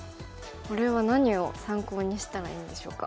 これは何を参考にしたらいいんでしょうか。